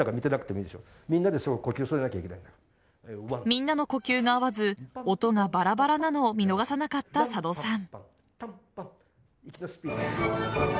みんなの呼吸が合わず音がバラバラなのを見逃さなかった佐渡さん。